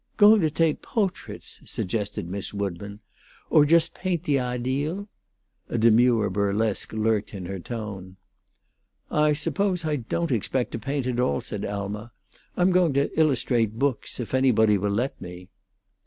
"Going to take po'traits," suggested Miss Woodburn, "or just paint the ahdeal?" A demure burlesque lurked in her tone. "I suppose I don't expect to paint at all," said Alma. "I'm going to illustrate books if anybody will let me."